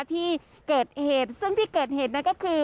ที่เกิดเหตุซึ่งที่เกิดเหตุนั้นก็คือ